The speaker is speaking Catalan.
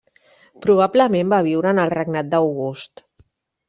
Probablement va viure en el regnat d'August.